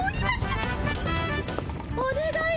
おねがい！